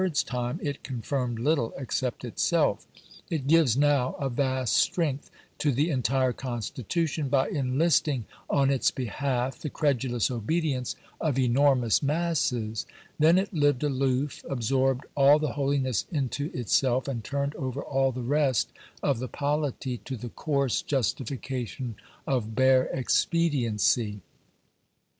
's time it confirmed little except itself. It gives now a vast strength to the entire Constitution, by enlisting on its behalf the credulous obedience of enormous masses; then it lived aloof, absorbed all the holiness into itself, and turned over all the rest of the polity to the coarse justification of bare expediency.